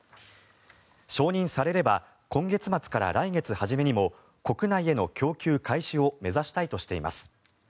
承認されれば今月末から来月初めにも国内への供給開始を目指したいとしています。